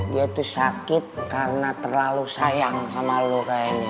dia tuh sakit karena terlalu sayang sama lo kayaknya